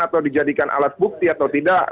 atau dijadikan alat bukti atau tidak